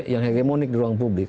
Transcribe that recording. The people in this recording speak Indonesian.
yang hegemonik di ruang publik